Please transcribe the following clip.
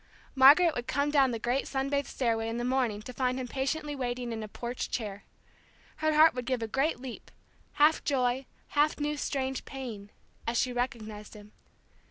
Margaret would come down the great sun bathed stairway in the morning to find him patiently waiting in a porch chair. Her heart would give a great leap half joy, half new strange pain, as she recognized him.